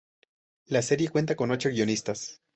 La serie cuenta con ocho guionistas.